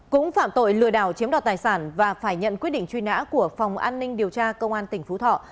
cũng phạm tội lừa đảo chiếm đoạt tài sản và phải nhận quyết định truy nã của phòng an ninh điều tra công an tỉnh phú thọ